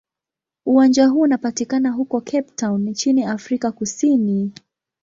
Uwanja huu unapatikana huko Cape Town nchini Afrika Kusini.